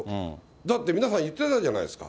だって皆さん、言ってたじゃないですか。